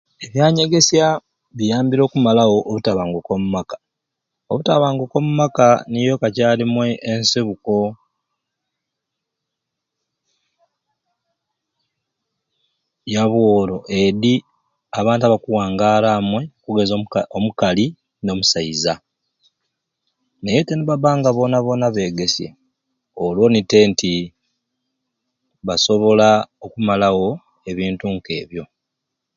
Ebyanyegesya biyambire okumalawo obutabanguko omumaka, obutabanguko omumaka niyo kacarumwei ensibuko yabworo edi abantu akuwangaara okugeza omuka omukali no musaiza nayete nibabbanga bona bon begeesye olwoni tte nti basobola okumalawo ebintu nkebyo.